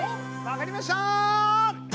わかりました！